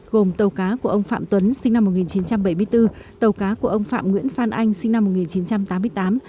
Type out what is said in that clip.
gồm tàu cá của ông phạm tuấn sinh năm một nghìn chín trăm bảy mươi bốn tàu cá của ông phạm nguyễn phan anh sinh năm một nghìn chín trăm tám mươi tám